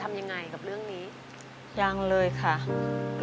โอ้โฮ